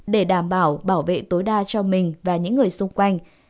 để đảm bảo bảo vệ tối đa cho mình và những người xung quanh